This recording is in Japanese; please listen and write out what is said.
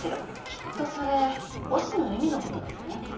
きっとそれ忍野絵美の事ですね。